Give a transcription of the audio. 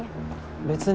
別に。